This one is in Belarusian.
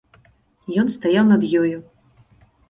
Ён стаяў над ёю.